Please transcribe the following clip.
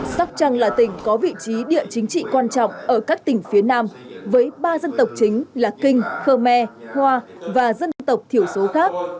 sóc trăng là tỉnh có vị trí địa chính trị quan trọng ở các tỉnh phía nam với ba dân tộc chính là kinh khơ me hoa và dân tộc thiểu số khác